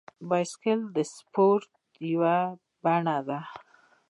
بایسکل د سپورت یوه بڼه ده.